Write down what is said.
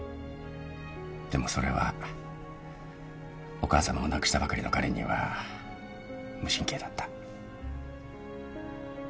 でもそれはお母さまを亡くしたばかりの彼には無神経だった。